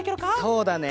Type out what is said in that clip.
そうだね。